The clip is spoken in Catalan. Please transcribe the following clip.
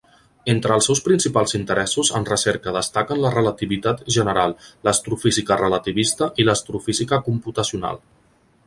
Entre els seus principals interessos en recerca, destaquen la relativitat general, l'astrofísica relativista i l'astrofísica computacional.